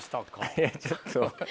いやちょっと。